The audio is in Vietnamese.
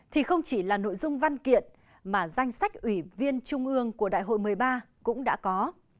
thì không chỉ là nội dung văn kiện mà danh sách ủy viên trung ương của đại hội một mươi ba cũng đã có